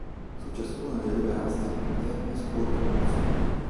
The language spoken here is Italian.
Su ciascuna delle due aste più interne scorre un cursore.